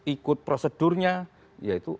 ikut prosedurnya ya itu